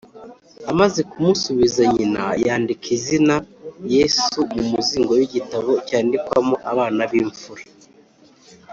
Amaze kumusubiza nyina, yandika izina “Yesu” mu muzingo w’igitabo cyandikwamo abana b’imfura